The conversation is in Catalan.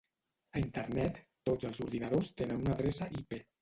A Internet, tots els ordinadors tenen una adreça IP.